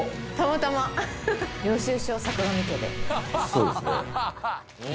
そうですね。